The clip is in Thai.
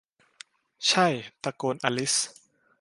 ใช่ !' ตะโกนอลิซ